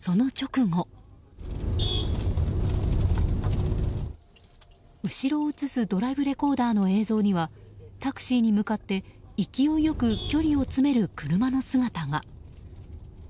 後ろを映すドライブレコーダーの映像にはタクシーに向かって勢いよく距離を詰める車の姿が。